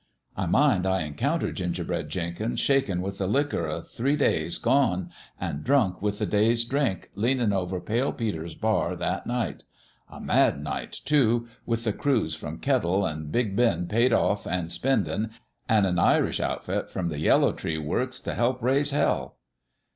" I mind I encountered Gingerbread Jenkins, shakin' with the liquor o' three days gone, an' drunk with the day's drinks, leanin' over Pale Peter's bar, that night. A mad night, too with the crews from Kettle an' Big Bend paid off an' spendin', an' an Irish outfit from the Yellow Tree works t' help raise hell.